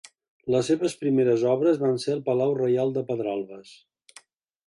Les seves primeres obres van ser al Palau Reial de Pedralbes.